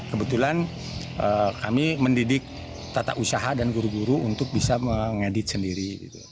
kebetulan kami mendidik tata usaha dan guru guru untuk bisa mengedit sendiri